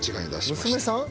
娘さん？